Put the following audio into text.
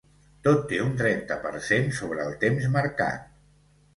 Tot té un trenta per cent sobre el temps marcat.